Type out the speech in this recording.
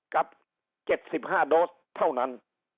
กับ๗๕โดสเท่านั้น